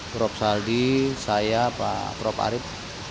prof saldi saya pak prof arief